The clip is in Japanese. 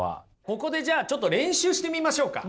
ここでじゃちょっと練習してみましょうか。